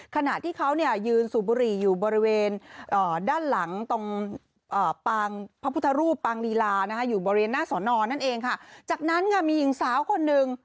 ขณะที่เขาเนี่ยยืนสูบบุหรี่อยู่บริเวณด้านหลังตรงปางพระพุทธรูปปางลีลานะคะอยู่บริเวณหน้าสอนอนั่นเองค่ะจากนั้นค่ะมีหญิงสาวคนหนึ่ง